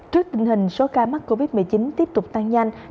trước tình hình số ca mắc covid một mươi chín tiếp tục tăng nhanh